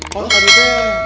kok tadi tuh